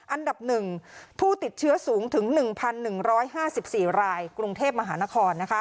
อันดับ๑ผู้ติดเชื้อสูงถึง๑๑๕๔รายกรุงเทพมหานคร